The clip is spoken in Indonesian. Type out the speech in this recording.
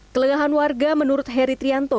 kelelahan warga menurut heri trianto